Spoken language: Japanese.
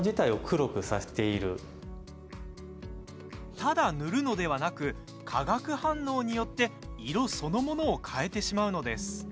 ただ塗るのではなく化学反応によって色そのものを変えてしまうのです。